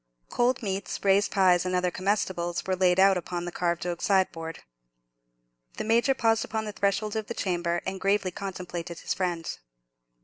Cold meats, raised pies, and other comestibles were laid out upon the carved oak sideboard. The Major paused upon the threshold of the chamber and gravely contemplated his friend.